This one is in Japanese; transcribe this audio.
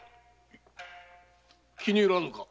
気に入らぬか？